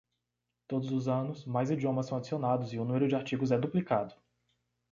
Todos os anos, mais idiomas são adicionados e o número de artigos é duplicado.